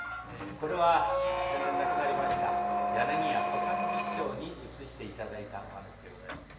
これは先年亡くなりました柳家小三治師匠にうつして頂いたお噺でございます。